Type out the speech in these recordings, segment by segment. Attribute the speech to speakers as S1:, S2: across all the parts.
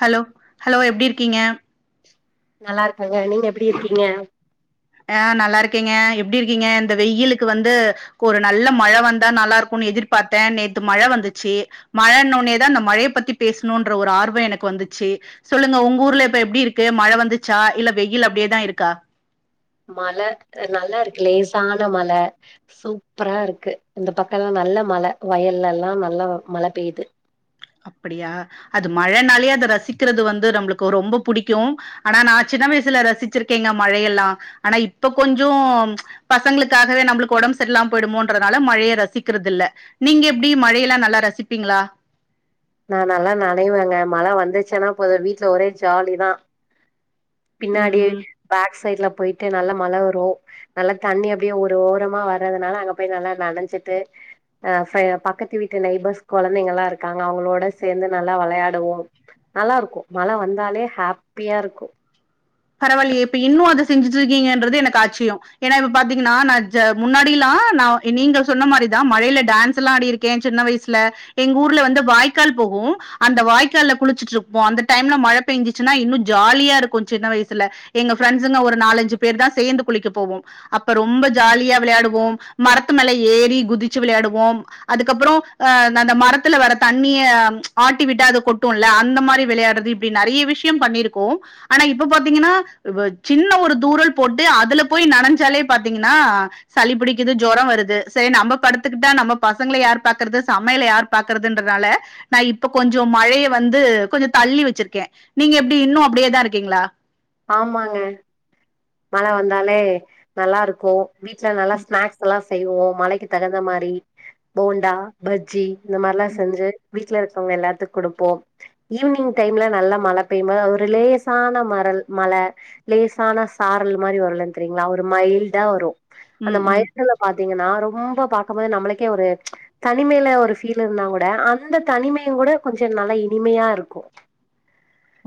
S1: Hello hello எப்டி இருக்கீங்க
S2: நல்லா இருக்கங்க நீங்க எப்டி இருக்குறீங்க
S1: ஆ நல்லா இருக்கேங்க எப்டி இருக்கீங்க இந்த வெயிலுக்கு வந்து கொரு நல்ல மழ வந்தா நல்லா இருக்குன் எதிர்பார்த்தே நேத்து மழ வந்துச்சு மழன்னோனேதா அந்த மழைய பத்தி பேசணுன்ற ஒரு ஆர்வ எனக்கு வந்துச்சு சொல்லுங்க உங்க ஊர்ல இப்ப எப்டி இருக்கு மழ வந்துச்சா இல்ல வெயில் அப்டியேதா இருக்கா
S2: மழ அ நல்லா இருக்கு லேசான மழ சூப்பரா இருக்கு இந்த பக்கலா நல்ல மழ வயல்லெல்லா நல்லா மழ பெய்யுது
S1: அப்டியா அது மழனாலே அத ரசிக்கிறது வந்து நம்மளுக்கு ரொம்ப புடிக்கு ஆனா நா சின்ன வயசுல ரசிச்சிருக்கேங்க மழையெல்லா ஆனா இப்ப கொஞ்ச பசங்களுக்காகவே நம்பளுக்கு ஒடம்பு செரில்லாம போயிடுமோன்றதுனால மழைய ரசிக்கிறது இல்ல நீங்க எப்டி மழையெல்லா நல்லா ரசிப்பீங்களா
S2: நா நல்லா நனைவேங்க மழ வந்துச்சுனா போது வீட்ல ஒரே ஜாலி தா
S1: ம்
S2: பின்னாடி
S1: ம்.
S2: பேக் சைட்ல போயிட்டு நல்லா மழ வரு நல்லா தண்ணி அப்டியே ஒரு ஓரமா வர்றதுனால அங்க போய் நல்லா நனைஞ்சிட்டு அ ஃப பக்கத்து வீட்டு நெய்பர்ஸ் கொழந்தைங்கலா இருக்காங்க அவ்ங்களோட சேந்து நல்லா வெளையாடுவோ நல்லா இருக்கு மழ வந்தாலே ஹாப்பியா இருக்கு
S1: பரவால்லையே இப்ப இன்னு அத செஞ்சுட்ருக்கீங்கன்றது எனக்கு ஆச்சிய ஏனா இப்ப பாத்தீங்கனா நா ஜ முன்னாடிலா நா நீங்க சொன்ன மாரிதா மழைல டான்ஸெல்லா அடிருக்க கே சின்ன வயசுல எங்க ஊர்ல வந்து வாய்க்கால் போகு அந்த வாய்க்கால்ல குளிச்சிட்டுருப்போ அந்த டைம்ல மழ பெய்ஞ்ச்சுன்னா இன்னோ ஜாலியா இருக்கோ சின்ன வயசு ல எங்க ஃப்ரெண்ட்ஸுங்க ஒரு நாலஞ்சு பேர்தா சேந்து குளிக்க போவோ அப்ப ரொம்போ ஜாலியா விளையாடுவோம் மரத்து மேல ஏறி குதிச்சு விளையாடுவோம் அதுக்கப்புறோ அ அந்த மரத்துல வர தண்ணிய ஆட்டி விட்டா அது கொட்டோல அந்த மாரி வெளையாடுறது இப் டி நறிய விஷயோ பண்ணியிருக்கோ ஆனா இப்ப பாத் தீங்கனா சின்ன ஒரு தூரல் போட்டு அதுல போய் நனஞ்சாலே பாத்தீங்கனா சளிபிடிக்குது ஜொரோ வருது செரி நம்ம படத்துக்கிட்டா நம்ம பசங்கள யார் பாக்குறது சமையல யார் பாக்குறதுன்றனால நா இப்ப கொஞ்சோ மழய வந்து கொஞ்சோ தள்ளி வெச்சிருக்க நீங்க எப்டி இன்னோ அப்டியேதா இருக்கீங்களா
S2: ஆமாங்க மழ வந்தாலே நல்லா இருக்கோ வீட்ல நல்லா ஸ்நாக்ஸ் எல்லா செய்வோ மழைக்கு தகுந்த மாரி போண்டா பஜ்ஜி இந்த மாரிலா செஞ்சி வீட்ல இருக்கவுங்க எல்லாத்துக்கு குடுப்போ ஈவினிங் டைம்ல நல்ல மழை பெய்யும்போது ஒரு லேசான மரல் மழை லேசான சாரல் மாரி வரலோன்னு தெரியுங்களா ஒரு மைல்டா வரோ அந்த
S1: ம் ம்
S2: மைல்டுல பாத்தீங்கன்னா ரொம்போ பாக்கும்போது நம்புளுக்கே ஒரு தனிமையில ஒரு ஃபீல் இருந்தா கூட அந்த தனிமையுங் கூட கொஞ்சோ நல்ல இனிமையா இருக்கோ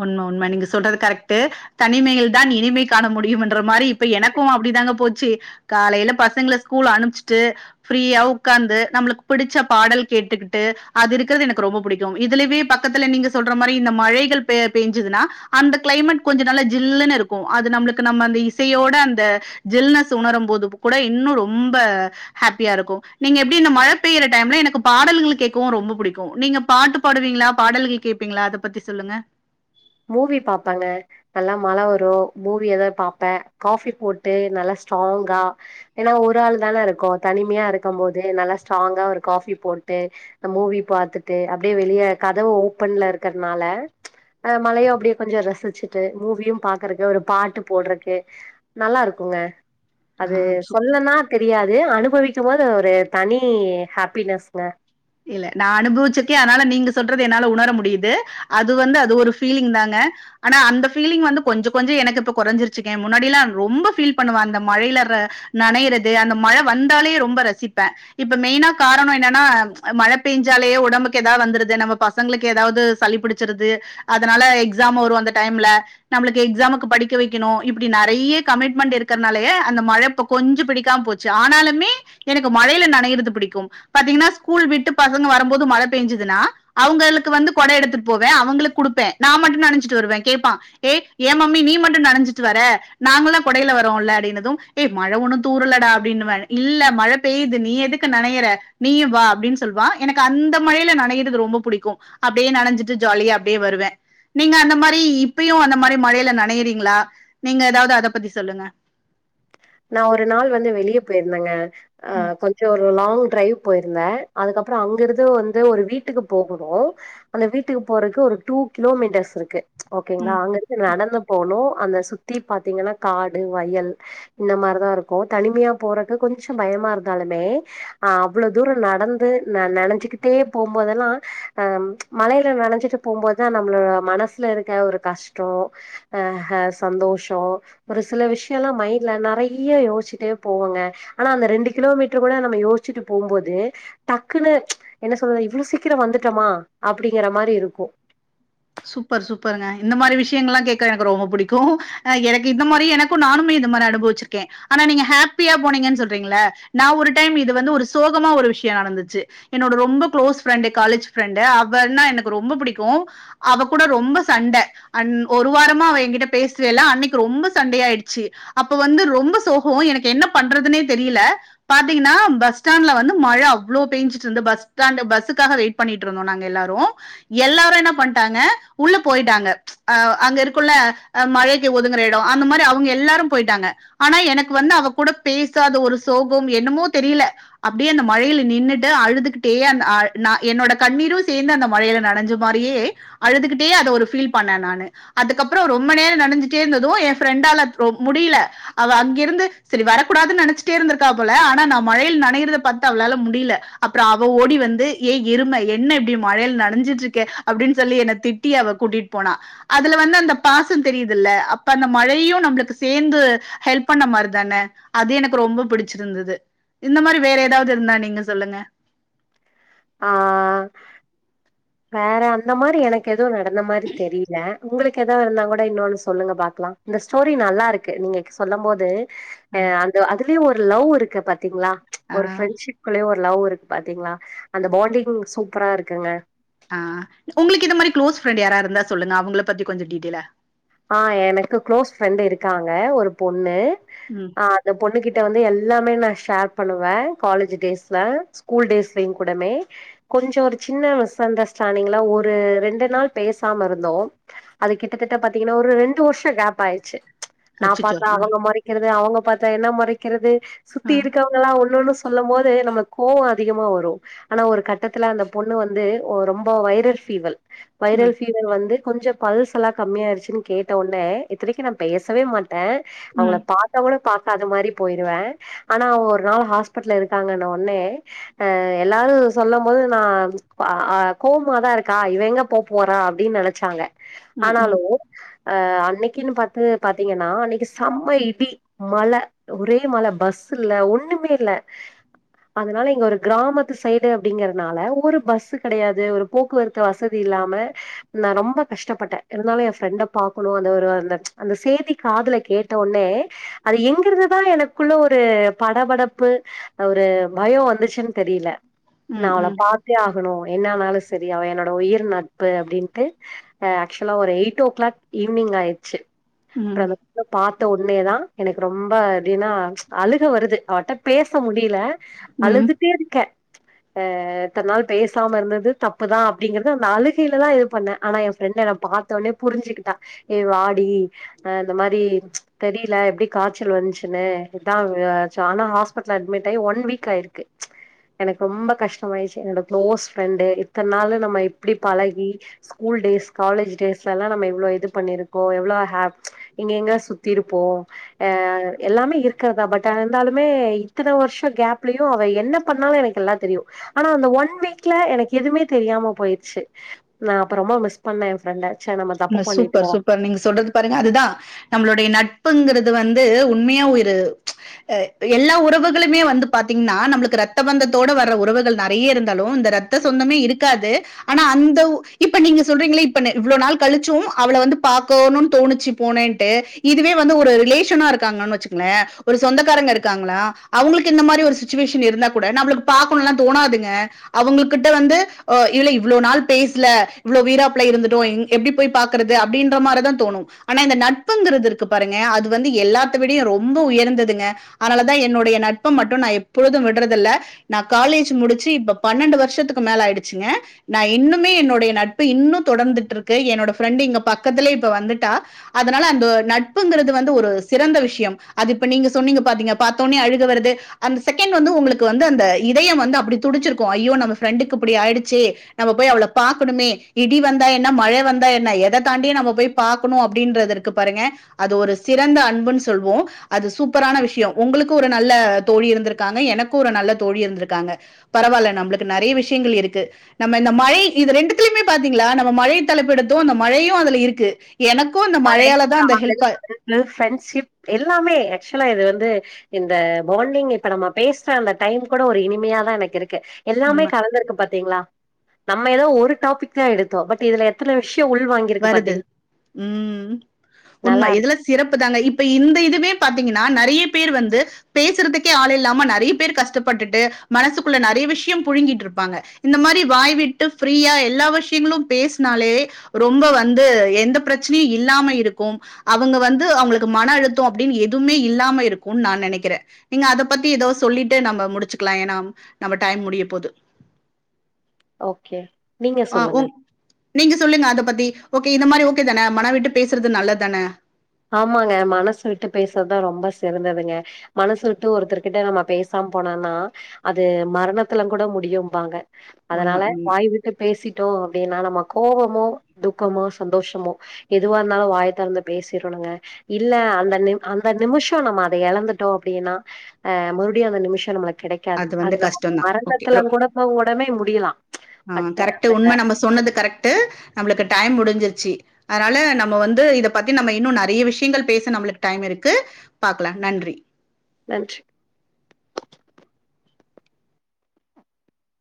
S1: உண்ம உண்ம நீங்க சொல்றது கரெக்டு தனிமையில்தா இனிமை காண முடியும்ன்ற மாரி இப்ப எனக்கோ அப்டி தாங்க போச்சி காலையில பசங்கள ஸ்கூல் அனுப்ச்ட்டு ஃப்ரீயா ஒக்காந்து நம்முளுக்கு பிடிச்ச பாடல் கேட்டுக்கிட்டு அது இருக்குறது எனக்கு ரொம்போ பிடிக்கோ இதுலவே பக் கத்துல நீங்க சொல்ற மாரி இந்த மழைகள் பெ பெய்ஞ்சுதுன்னா அந்த கிளைமேட் கொஞ்சோ நல்லா ஜில்லுன்னு இருக்கோ அது நம்முளுக்கு நம்ம அந்த இசையோட அந்த ஜில்னஸ் உணரும்போது கூட இன்னு ரொம்ப ஹாப்பியா இருக்கோ நீங்க எப்டி இந்த மழை பெயிற டைம்ல எனக்கு பாடல்கள் கேக்கவு ரொம்ப பிடிக்கோ நீங்க பாட்டு பாடுவீங்களா பாடல்கள் கேப்பீங்களா அத பத்தி சொல்லுங்க
S2: மூவி பாப்பங்க நல்லா மழை வரோ மூவி எதாது பாப்பே காஃபி போட்டு நல்லா ஸ்ட்ராங்கா ஏன்னா ஒரு ஆள் தானே இருக்கோ தனிமையா இருக்கும் போது நல்லா ஸ்ட்ராங்கா ஒரு காஃபி போட்டு அந்த மூவி பாத்துட்டு அப்டியே வெளிய கதவு ஓப்பன்ல இருக்கறதுனால அந்த மழையு அப்டியே கொஞ்சோ ரசிச்சிட்டு மூவியு பாக்குறக்கு ஒரு பாட்டு போட்றக்கு நல்லா இருக்குங்க
S1: ஆ
S2: அது
S1: சூப்
S2: சொல்லனா தெரியாது அனுபவிக்கும் போது அது ஒரு தனி ஹாப்பினஸ்ங்க
S1: இல்ல நா அனுபவிச்சிருக்கே அதனால நீங்க சொல்றது என்னால உணர முடியுது அது வந்து அது ஒரு ஃபீலிங் தாங்க ஆனா அந்த ஃபீலிங் வந்து கொஞ்சோ கொஞ்சோ எனக்கு இப்ப கொறஞ்சிருச்சுங்க முன்னாடிலா ரொம்ப ஃபீல் பண்ணுவ அந்த மழையிலற நனையறது அந்த மழ வந்தாலே ரொம்ப ரசிப்பே இப்ப மெயினா காரணோ என்னனா மழ பெய்ஞ்சாலே ஒடம்புக்கு எதாவது வந்துருது நம்ம பசங்களுக்கு எதாவது சளி பிடிச்சிருது அதனால எக்ஸாம் வரோ அந்த டைம்ல நம்முளுக்கு எக்ஸாமுக்கு படிக்க வெக்கணோ இப்டி நறைய கமிட்மெண்ட் இருக்கறதுனாலய அந்த மழ பக் கொஞ்சோ பிடிக்காம போச்சு ஆனாலுமே எனக்கு மழையில நனையறது பிடிக்கும் பாத்தீங்கன்னா ஸ்கூல் விட்டு பசங்க வரும்போது மழ பெய்ஞ்சுதுன்னா அவுங்களுக்கு வந்து கொட எடுத்துட்டு போவே அவங்களுக்கு குடுப்பே நா மட்டு நனஞ்சிட்டு வருவே கேப்பா ஏ ஏ மம்மி நீ மட்டு நனஞ்சிட்டு வர நாங்களா கொடையில வரோல அப்டீன்னதோ ஏ மழ ஒண்ணு தூறலடா அப்டீன்னுவ இல்ல மழ பெய்யுது நீ எதுக்கு நனையுற நீயோ வா அப்டின்னு சொல்லுவா எனக்கு அந்த மழையில நெனையிறது ரொம்ப பிடிக்கு அப்டியே நனைஞ்சிட்டு ஜாலியா அப்டியே வருவே நீங்க அந்த மாரி இப்பயு அந்த மாரி மழைல நினைையறீங்களா நீங்க எதாவது அத பத்தி சொல்லுங்க
S2: நா ஒரு நாள் வந்து வெளிய போயிருந்தேங்க ஆ
S1: ம்
S2: கொஞ்சோ ஒரு லாங் டிரைவ் போயிருந்தே அதுக்கப்புற அங்கருந்து வந்து ஒரு வீட்டுக்கு போகணு அந்த வீட்டுக்கு போறக்கு ஒரு டூ கிலோ மீட்டர்ஸ் இருக்கு
S1: ம்
S2: ஓகேங்களா அங்க இருந்து நடந்து போணு அந்த சுத்தி பாத்தீங்கன்னா காடு வயல் இந்த மாரிதா இருக்கு தனிமையா போறக்கு கொஞ்சோ பயமா இருந்தாலுமே அ அவ்வளோ தூரோ நடந்து நா நெனைஞ்சுக்கிட்டே போம்போதெல்லா ஆ மழையில நெனைஞ்சிட்டு போம்போதுதா நம்மளோட மனசு சுல இருக்க ஒரு கஷ்டோ ஆஹ சந்தோசோ ஒரு சில விஷயல்லா மைண்ட் ல நறைய யோச்சிட்டே போவங்க ஆனா அந்த ரெண்டு கிலோமீட்டரு கூட நம்ம யோஸ்சிட்டு போம்போது டக்குன்னு என்ன சொல்றது இவ்ளோ சீக்கரோ வந்துட்டோமா அப்படிங்கற மாரி இருக்கு
S1: சூப்பர் சூப்பர்ங்க இந்த மாரி விஷயங்கள் எல்லா கேக்க எனக்கு ரொம்ப பிடிக்கு அ எனக்கு இந்த மாரி எனக்கு நானுமே இந்த மாரி அனுபவிச்சிருக்கே ஆனா நீங்க ஹாப்பியா போனீங்கன்னு சொல்றீங்கள நா ஒரு டைம் இது வந்து ஒரு சோகமா ஒரு விஷயோ நடந்துச்சு என்னோட ரொம்ப கு்ளோஸ் ஃப்ரெண்டு காலேஜ் ஃப்ரெண்டு அவன்னா எனக்கு ரொம்ப பிடிக்கு அவ கூட ரொம்ப சண்ட அன் ஒரு வாரமா அவ என்கிட்ட பேசவே இல்ல அன்னைக்கு ரொம்ப சண்டை ஆயிடுச்சு அப்ப வந்து ரொம்ப சோகோ எனக்கு என்ன பண்றதுனே தெரியல பாத்தீங்கன்னா பஸ் ஸ்டாண்ட்ல வந்து மழை அவ்ளோ பெய்ஞ்சிட்டு இருந்து பஸ் ஸ்டாண்ட் பஸ்சுக்காக வெயிட் பண்ணிட்டு இருந்தோ நாங்க எல்லாரு எல்லாரு என்ன பண்ட்டாங்க உள்ள போயிட்டாங்க அ அங்க இருக்குள்ள மழைக்கு ஒதுங்கற எடோ அந்த மாரி அவுங்க எல்லாரு போயிட்டாங்க ஆனா எனக்கு வந்து அவ கூட பேசாத ஒரு சோகம் என்னமோ தெரில அப்டியே அந்த மழையில நின்னுட்டு அழுதுகிட்டே அந் அ அஎன்னோட கண்ணீரு சேந்து அந்த மழையில நனைஞ்ச மாரியே அழுதுகிட்டே அத ஒரு ஃபீல் பண்ணே நானு அதுக்கப்புறோ ரொம்ப நேரோ நனஞ்சிட்டே இருந்தது என் ஃப்ரெண்டால அப்றோ முடியல அவ அங்கிருந்து செரி வரக்கூடாதுன் நினைச்சுட்டே இருந்திருக்கா போல ஆனா நான் மழையில் நனையறத பாத்துட்டு அவளால முடியல அப்பறோ அவ ஓடி வந்து ஏ எருமை என்ன இப்டி மழையில நனைஞ்சிட்டு இருக்க அப்படின்னு சொல்லி என்ன திட்டி அவ கூட்டிட்டு போனா அதுல வந்து அந்த பாசம் தெரியுதுல்ல அப்ப அந்த மழையும் நம்மளுக்கு சேந்து ஹெல்ப் பண்ண மாரி தானே அது எனக்கு ரொம்ப பிடிச்சிருந்தது இந்த மாரி வேற ஏதாவது இருந்தா நீங்க சொல்லுங்க
S2: ஆ வேற அந்த மாரி எனக்கு எது நடந்த மாரி தெரியல உங்களுக்கு எதா இருந்தா கூட இன்னொன்னு சொல்லுங்க பாக்கலாம் இந்த ஸ்டோரி நல்லா இருக்கு நீங்க சொல்லும் போது
S1: ஆ
S2: அ அந்த அதுலயு ஒரு லவ் இருக்கு பாத்தீங்களா
S1: ஆ
S2: ஒரு ஃபரெண்ட்ஷிப் க்குளே ஒரு லவ் இருக்கு பாத்தீங்களா அந்த பாண்டிங் சூப்பரா இருக்குங்க
S1: ஆ உங்களுக்கு இந்த மாரி கிளோஸ் ஃப்ரண்ட் யாரா இருந்தா சொல்லுங்கங்க அவுங்கள பத்தி கொஞ்ச டீடெய்லா
S2: ஆ எனக்கு க்ளோஸ் ஃப்ரெண்ட் இருக்காங்க ஒரு பொண்ணு
S1: ம்
S2: நா அந்த பொண்ணு கிட்ட வந்து எல்லாமே நான் ஷேர் பண்ணுவே காலேஜ் டேஸ்ல ஸ்கூல் டேஸ்லயுங் கூடமே கொஞ்சோ ஒரு சின்ன மிஸ் அண்டர்ஸ்டாண்டிங்ல ஒரு ரெண்டு நாள் பேசாம இருந்தோ அது கிட்டத்தட்ட பாத்தீங்கன்னா ஒரு ரெண்டு வருஷோ கேப் ஆயிடுச்சு நா
S1: அச்சச்சோ
S2: பாத்தா
S1: ஆ
S2: அவுங்க முறைக் க்கிறது அவுங்க பாத்தா என்ன முறைக்கிறது சுத்தி
S1: ஆ
S2: இருக்கவங் எல்லா ஒன்ன ஒன்னு சொல்லு போது நம்ளுக் கோவோ அதிகமா வரு ஆனா ஒரு கட்டத்துல அந்த பொண்ணு வந்து ஒ ரொம்ப வைரல் ஃபீவல் வைரல்
S1: ம்
S2: ஃபீவர் வந்து கொஞ்சோ பல்ஸ் எல்லா கம்மியாயிருச்சு னு கேட்ட ஒட்னே இத்தனைக்கு நா பேசவே மாட்டே அவுங்கள
S1: ம்
S2: பாத் தகூட பாக்க அது மாரி போய்ருவே ஆனா அவுங்க ஒரு நாள் ஹாஸ்பிடல் இருக்காங்கன்னு ஒன்னே அ எல்லாரு சொல்ல போது நா கோவாமதா இருக்கா இவ எங்க போ போறா அப்டி நெனைச்சாங்க
S1: ம்
S2: ஆனாலு
S1: ம்
S2: அ அன்னைக்குன்னு பாத்து பாத்தீங்கன்னா அன்னைக்கு செம்ம இடி மழ ஒரே மழ பஸ்ஸு இல்ல ஒண்ணுமே இல்ல அதனால இங்க ஒரு கிராமத்து சைடு அப்டிங்கறனால ஒரு பஸ்ஸு கெடையாது ஒரு போக்குவரத்து வசதி இல்லாம நா ரொம்ப கஷ்டப்பட்டே இருந்தாலு எ ஃப்ரெண்ட பாகக்கணு அந்த ஒரு அந்த அந்த செய்தி காதுல கேட்ட உட்னே அது எங்கிருந்துதா எனக்குள்ள ஒரு படபடப்பு ஒரு பயோ வந்துச்சுன்னு தெரியில நா அவள
S1: ம்
S2: பாத் தே ஆகணு என்னா ஆனாலு சேரி அவ என்னோட உயிர் நட்பு அப்டின்ட்டு ஆக்சுவலா ஒரு எயிட் ஓ கிளாக் ஈவி்னிங் ஆயிடுச்சு அப்ற
S1: ம்
S2: பாத்த உட்னேதா எனக்கு ரொம்ப எப்டின்னா அழுக வருது அவட்ட பேச முடியில
S1: ம்
S2: அழுதுட்டே இருக்கே இப்ப இத்ன் நாள் பேசாம இருந்தது தப்பு தா அப்டிங்கறது அந்த அழுகையில தா இது பண்ணே ஆனா என் ஃப்ரெண்டு என்னை பாத்தோனே புரிஞ்சுக்கிட்டா ஏ வாடி அ இந்த மாரி தெரியில எப்டி காய்ச்சல் வந்துச்சுன்னு இதான் ஆனா ஹாஸ் பட்ல்ல அட்மிட் ஆயி ஒன் வீக் ஆயிருக்கு எனக்கு ரொம்ப கஷ்டமாயிடுச்சு என்னோட குளோஸ் ஃப்ரெண்டு இத்தன் நாளு நம்ம இப்டி பழகி ஸ்கூல் டேஸ் காலேஜ் டேஸ் ஸுல எல்லா நம்ம எவ்ளோ இது பண்ணிருக்கோ எவ்வளோ இங்க எங்க சுத்தி இருப்போ அ எல்லாமே இருக்கிறதா பட் இருந்தாலுமே இத்தன வர்ஷோ கேப்லயு அவ என்ன பண்ணாலு எனக் கு எல்லா தெரியு ஆனா அந்த ஒன் வீக்ல எனக்கு எதுவுமே தெரியாம போயிருச்சு நா அப்ப ரொம்ப மிஸ் பண்ணே என் ஃப்ரண்ட
S1: சூப்பர் சூப்பர் நீங்க சொல்றது பாருங்க அதுதா நம்மளோடைய நட்புங்குறது வந்து உண்மையா ஒயிரு அ எல்லா உறவுகளுமே வந்து பாத்தீங்னா நம்பளுக்கு ரத்த பந்தத்தோட வர உறவுகள் நெறைய்ய இருந்தாலு இந்த ரத் த்த சொந்தமே இருக்காது ஆனா அந்த ஒ இப்ப நீங்க சொல்றீங்ளே இப்ப நெ இவ்ளோ நாள் கழுச்சு அவள வந்து பாகோணுன் தோணுச்சு போனேன்ட்டு இதுவே வந்து ஒரு ரிலேஷனா இருக்காங்கன்னு வெச்சுகலே ஒரு சொந்தக்காரங்க இருக்காங்ளா அவுங்களுக்கு இந்த மாரி ஒரு சுச்சுவேஷன் இருந்தா கூட நம்ளுக்கு பாக்கணூலா தோணாதுங்க அவுங்ககிட்ட வந்து அ இதுல இவ்ளோ நாள் பேசுல இவ்ளோ வீராப்ள இருந்துடோ எப்டி போய் பாக்கறது அப்டின்ற மாரி தா தோணு ஆனா இந்த நட்புங்கறது இருக்கு பாருங்கயா அது வந்து எல்லா விடயு ரொம்ப உயர்ந்ததுங்க அதனால தா என்னுடைய நட்ப மட்டு நா எப்பொழுது விடுறதில்ல நா காலேஜ்ஜி முடிச்சு இப்ப பன்னெண்டு வருஷத்துக்கு மேல ஆயிடுச்சுங்க நா இன்னுமே என்னோடைய நட்பு இன்னு தொடந்துட்டு இருக்கு என்னோட ஃப்ரெண்டு் இங்க பக்கத்துலே இப்ப வந்துட்டா அதனால அந்த நட்புங்கறது வந்து ஒரு சிறந்த விஷ்ய அது இப்ப நீங்க சொன்னீங்க பாத்தீங்க பத்தோனே அழுக வருது அந்த செகண்ட் வந்து உங்ளுக்கு வந்து அந்த இதயம் வந்து அப்டி துடுச்சிருக்கு ஐயோ நம்ம ஃப்ரெண்டுக்கு இப்டி ஆயிடுச்சே நம்ம போய் அவள பாக்கணுமே இடி வந்தா என்ன மழ வந்தா என்ன எத தாண்டியு நம்ம போய் பாக்கணு அப்டின்றதிருக்கு பாருங்க அது ஒரு சிறந்த அன்புன் சொல்லுவோ அது சூப்பரான விஷ்யோ உங்களுக்கு ஒரு நல்ல தோழி இருந்திருக்காங்க எனக்கு ஒரு நல்ல தோழி இருந்திருக்காங்க பரவாயில்ல நம்மளுக்கு நெறைய விஷயங்கள் இருக்கு நம்ம இந்த மழை இது ரெண்டுத்திலயுமே பாத்தீங்களா நம்ம மழை தலைப்பு எடுத்து அந்த மழையு அதுல இருக்கு எனக்கு அந்த மழையால தா அந்த ஹெல்ப்ப
S2: இல் ஃப்ரெண்டஷிப் எல்லாமே ஆக்சுவலா இது வந்து இந்த பாண்டிங் இப்ப நம்ம பேசுற அந்த டைம் கூட ஒரு இனிமையாதா எனக்கு இருக்கு
S1: உண்ம
S2: எல்லாமே கலந்துருக்கு பாத்தீங்ளா நம்ம ஏதோ ஒரு டாபிக் தா எடுத்தோ பட் இதுல எத்தன விஷ்யோ உள்வாய்ங்
S1: வருது ம் உண்மை
S2: நல்லா இருக்கு
S1: இதுலஸ் சிறப்பு தாங்க இப்ப இந்த இதுவே பாத்தீங்கன்னா நறைய பேர் வந்து பேசுறதுக்கே ஆள் இல்லாம நெறைய பேர் கஷ்டப்பட்டுட்டு மனசுக்குள்ள நெறைய விஷ்யோ புழுங்கீட்ருப்பாங்க இந்த மாரி வாய் விட்டு ஃப்ரீயா எல்லா வஷ்யங்களு பேஸ்னாலே ரொம்ப வந்து எந்த பிரச்னையு இல்லாம இருக்கு அவங்க வந்து அவங்ளுக்கு மன அழுத்தோ அப்டின்னு எதூமே இல்லாம இருக்குன்னு நா நெனைக்ற நீங்க அத பத்தி எதோ சொல்லிட்டு நம்ம முடுச்சுக்கலா ஏன்னா நம்ம டைம் முடிய போது
S2: ஓகே நீங்க
S1: ஆ
S2: சொல்லுங்க
S1: உங் நீங்க சொல்லுங்க அத பத்தி ஓகே இந்த மாரி ஓகே தான மன விட்டு பேசுறது நல்லத்தான
S2: ஆமாங்க மனசு விட்டு பேசற்தா ரொம்ப சிறந்ததுங்க மனசு விட்டு ஒருத்தர்கிட்ட நம்ம பேசாம போனோனா அது மரணத்துலங்கூட முடியும்பாங்க
S1: உண்ம,
S2: அதனால
S1: உண்ம.
S2: வாய்விட் டு பேசிட்டோ அப்டின்னா நம்ம கோவமோ துக்கமோ சந்தோஷமோ எதுவா இருந்தாலு வாய தெறந்து பேசு திறனுங்க இல்ல அந்த நிம் அந்த நிமிஷோ நம்ம அத எழந்துட்டோ அப்டின்னா அ முறுவ்டியு அந்த நிமிஷோ நம்ளுக்கு கெடைக் காது
S1: வந்து
S2: அது
S1: கஷ்டம்
S2: நம்ம
S1: தான். ஓகே. ரொ
S2: மரணத்துலங்கூடம ஒடனே முடியலா ம்ச்
S1: ஆ கரெக்ட்டு உண்ம நம்ம சொன்னது கரெக்ட்டு நம்ளுக்கு டைம் முடிஞ்சிருச்சி அதனால நம்ம வந்து இத பத்தி நம்ம இன்னு நெறைய விஷ்யங்கள் பேச நம்ளுக்கு டைம் இருக்கு பாக்கலா நன்றி
S2: நன்றி